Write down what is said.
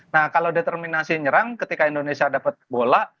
nah kalau determinasi nyerang ketika indonesia dapat bola